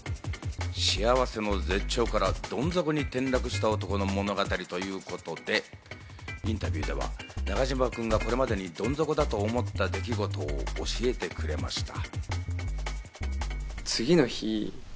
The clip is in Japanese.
幸せの絶頂から、どん底に転落した男の物語ということで、インタビューでは中島君がこれまでにどん底だと思った出来事を教えてくれました。